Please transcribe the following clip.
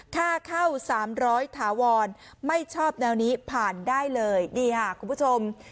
ค่าเข้า๓๐๐ถาวรไม่ชอบแนวนี้ผ่านได้เลยนี่ค่ะคุณผู้ชม